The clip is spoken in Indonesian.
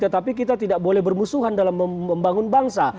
tetapi kita tidak boleh bermusuhan dalam membangun bangsa